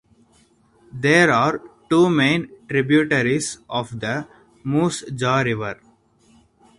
There are two main tributaries of the Moose Jaw River.